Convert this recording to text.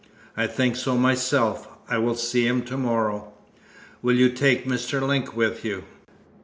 "I think so myself. I will see him to morrow." "Will you take Mr. Link with you?"